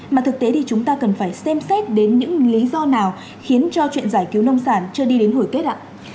mà thực tế thì chúng ta cần phải xem xét đến những lý do nào khiến cho chuyện giải cứu nông sản chưa đi đến hồi kết ạ